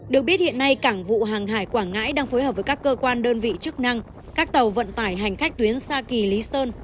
được biết hiện nay cảng vụ hàng hải quảng ngãi đang phối hợp với các cơ quan đơn vị chức năng các tàu vận tải hành khách tuyến xa kỳ lý sơn